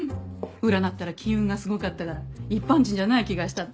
占ったら金運がすごかったから一般人じゃない気がしたの。